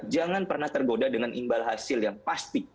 jangan pernah tergoda dengan imbal hasil yang pasti